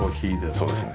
そうですね。